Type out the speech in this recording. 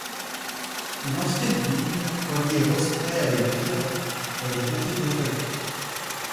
Une ancienne ligne reliait Roscrea et Birr, dans le comté d'Offaly.